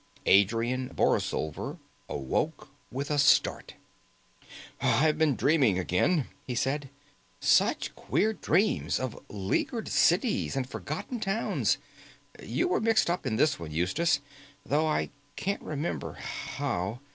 Adrian Borlsover awoke with a start. "I've been dreaming again," he said; "such queer dreams of leaguered cities and forgotten towns. You were mixed up in this one, Eustace, though I can't remember how.